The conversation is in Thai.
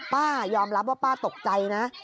ป้ายอมรับว่าป้าตกใจนะ